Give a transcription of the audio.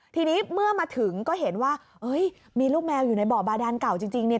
ทีนี้เมื่อมาถึงก็เห็นว่ามีลูกแมวอยู่ในบ่อบาดานเก่าจริงเนี่ย